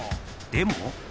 でも？